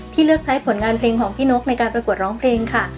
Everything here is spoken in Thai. เลือกใช้ผลงานเพลงของพี่นกในการประกวดร้องเพลงค่ะ